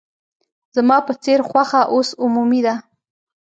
زما په څېر خوښه اوس عمومي ده.